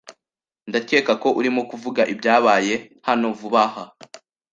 Ndakeka ko urimo kuvuga ibyabaye hano vuba aha.